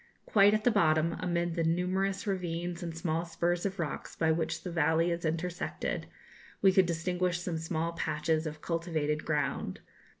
Quite at the bottom, amid the numerous ravines and small spurs of rocks by which the valley is intersected, we could distinguish some small patches of cultivated ground.